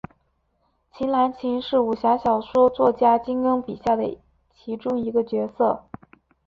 秦南琴是武侠小说作家金庸笔下的其中一个角色。